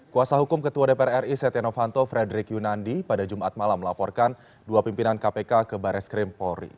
kuasa hukum ketua dpr ri setia novanto frederick yunandi pada jumat malam melaporkan dua pimpinan kpk ke baris krim polri